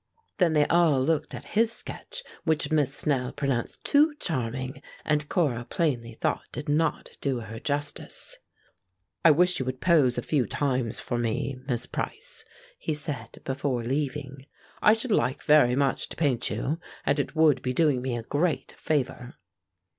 Then they all looked at his sketch, which Miss Snell pronounced "too charming," and Cora plainly thought did not do her justice. "I wish you would pose a few times for me, Miss Price," he said, before leaving. "I should like very much to paint you, and it would be doing me a great favor."